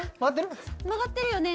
曲がってるよね